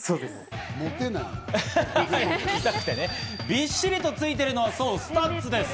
びっしりとついてるのはスタッズです。